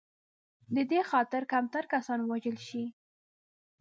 دې خاطر کمتر کسان ووژل شي.